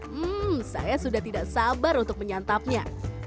hmm saya sudah tidak sabar untuk menyantapnya